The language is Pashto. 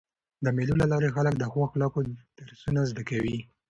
د مېلو له لاري خلک د ښو اخلاقو درسونه زده کوي.